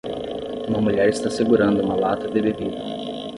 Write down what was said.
Uma mulher está segurando uma lata de bebida.